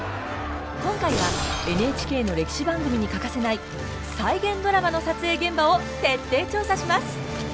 今回はＮＨＫの歴史番組に欠かせない再現ドラマの撮影現場を徹底調査します！